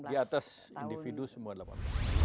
di atas individu semua delapan belas tahun